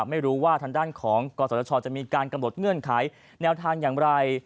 ไม่รู้ว่าทางด้านของกศชจะมีการกำหนดเงื่อนไขแนวทางอย่างไร